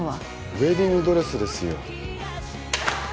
ウエディングドレスですよ